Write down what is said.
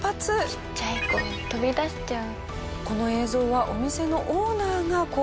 ちっちゃい子飛び出しちゃう。